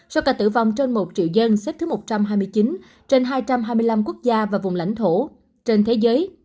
số ca tử vong trên một triệu dân xếp thứ một trăm hai mươi chín trên hai trăm hai mươi năm quốc gia và vùng lãnh thổ trên thế giới